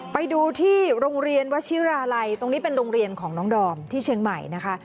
ไปดูที่โรงเรียนวชิราลัยตรงนี้เป็นโรงเรียนของน้องดอมที่เชียงใหม่นะคะ